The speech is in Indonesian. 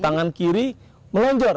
tangan kiri melonjor